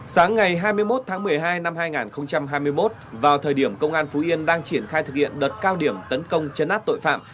sáng ngày hai mươi một tháng một mươi hai năm hai nghìn hai mươi một vào thời điểm công an phú yên đang triển khai thực hiện đợt cao điểm tấn công chấn áp tội phạm